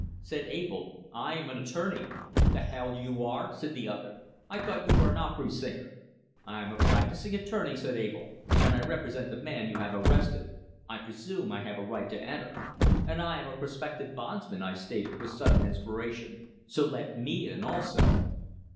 Said Abell: "I am an attorney." "The hell you are!" said the other. "I thought you were an opery singer." "I'm a practicing attorney," said Abell, "and I represent the man you have arrested. I presume I have a right to enter." "And I am a prospective bondsman," I stated, with sudden inspiration. "So let me in also."